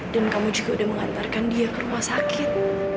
dan kamu juga udah mengantarkan dia ke rumah sakit